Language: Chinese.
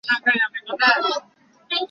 井之本理佳子为日本漫画家。